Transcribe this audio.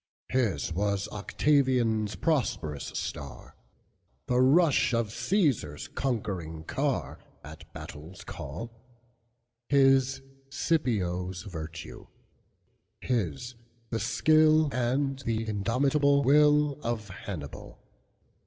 His was Octavian's prosperous star, The rush of Cæsar's conquering carAt battle's call; His, Scipio's virtue; his, the skillAnd the indomitable willOf Hannibal.